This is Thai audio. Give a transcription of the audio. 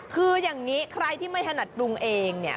คืออย่างนี้ใครที่ไม่ถนัดปรุงเองเนี่ย